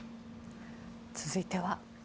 続いては。